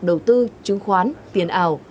đầu tư chứng khoán tiền ảo